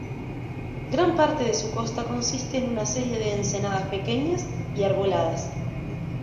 Gran parte de su costa consiste en una serie de ensenadas pequeñas y arboladas.